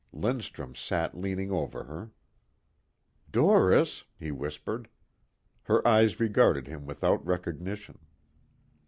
Lindstrum sat leaning over her. "Doris," he whispered. Her eyes regarded him without recognition.